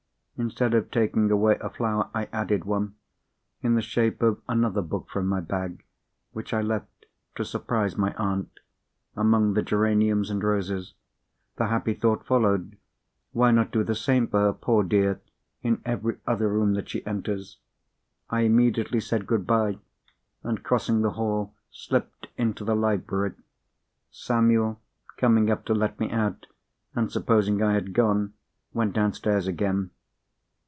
Instead of taking away a flower, I added one, in the shape of another book from my bag, which I left, to surprise my aunt, among the geraniums and roses. The happy thought followed, "Why not do the same for her, poor dear, in every other room that she enters?" I immediately said good bye; and, crossing the hall, slipped into the library. Samuel, coming up to let me out, and supposing I had gone, went downstairs again.